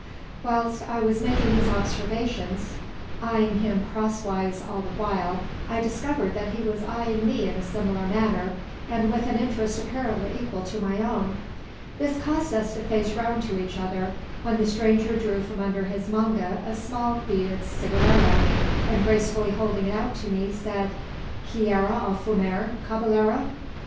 Whilst I was making these observations, eyeing him cross wise all the while, I discovered that he was eyeing me in a similar manner, and with an interest apparently equal to my own. This caused us to face round to each other, when the stranger drew from under his manga a small beaded cigarero, and, gracefully holding it out to me, said "Quiere a fumar, caballero?"